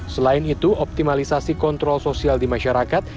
selain itu optimalisasi kontrol sosial di masyarakat